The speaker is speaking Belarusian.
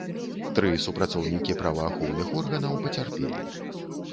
Тры супрацоўнікі праваахоўных органаў пацярпелі.